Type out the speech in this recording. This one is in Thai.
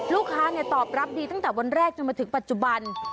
ลูกค้าตอบรับดีตั้งแต่วันแรกจนมาถึงปัจจุบัน